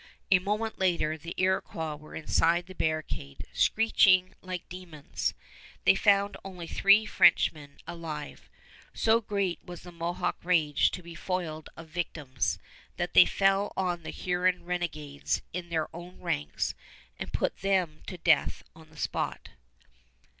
A moment later the Iroquois were inside the barricade screeching like demons. They found only three Frenchmen alive; and so great was the Mohawk rage to be foiled of victims that they fell on the Huron renegades in their own ranks and put them to death on the spot.